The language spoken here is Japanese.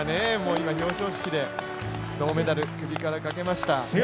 今、表彰式で銅メダル、首からかけました。